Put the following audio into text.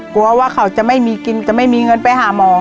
กลัวว่าเขาจะไม่มีกินจะไม่มีเงินไปหาหมอ